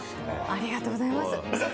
ありがとうございます。